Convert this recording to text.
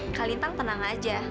kakak lintang tenang aja